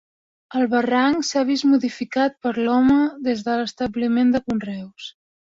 El barranc s'ha vist modificat per l'home des de l'establiment de conreus.